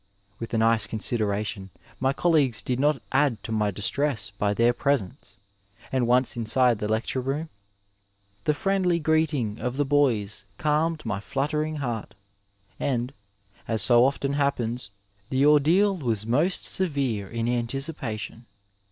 With a nice consideration my colleagues did not add to my distress by their presence, and once inside the lecture room the friendly greeting of the boys calmed my fluttering heart, and, as so often happens, the ordeal was most severe in anticipation.